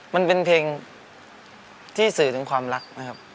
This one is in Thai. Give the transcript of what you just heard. มันเป็นเพลงที่สื่อถึงความรักนะครับ